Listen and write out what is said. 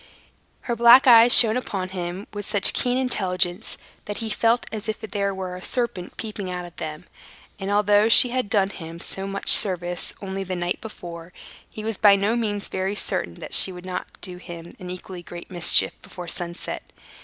Her black eyes shone upon him with such a keen intelligence, that he felt as if there were a serpent peeping out of them; and, although she had done him so much service only the night before, he was by no means very certain that she would not do him an equally great mischief before sunset.